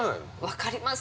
◆分かります。